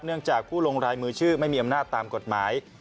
จากผู้ลงรายมือชื่อไม่มีอำนาจตามกฎหมาย